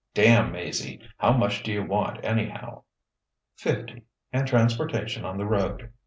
"Damn Maizie! How much do you want, anyhow?" "Fifty and transportation on the road."